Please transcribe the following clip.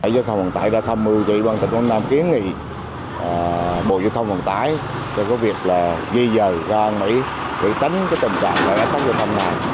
dt sáu trăm một mươi năm đã thăm mưu cho ủy ban tỉnh quảng nam kiến nghị bộ dưu thông hoàn tái cho có việc là dây dời ra mỹ để tránh trầm trạng lãi lãi tăng dưu thông này